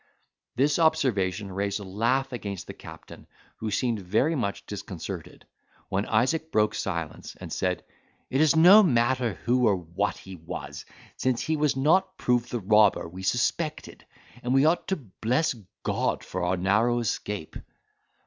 This observation raised a laugh against the captain, who seemed very much disconcerted; when Isaac broke silence, and said, "It is no matter who or what he was, since he has not proved the robber we suspected, and we ought to bless God for our narrow escape."